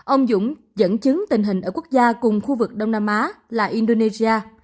ông dũng dẫn chứng tình hình ở quốc gia cùng khu vực đông nam á là indonesia